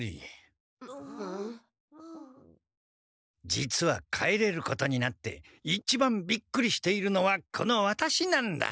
実は帰れることになって一番びっくりしているのはこのワタシなんだ。